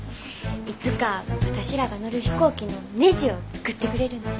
いつか私らが乗る飛行機のねじを作ってくれるんです。